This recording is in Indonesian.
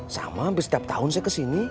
sama hampir setiap tahun saya kesini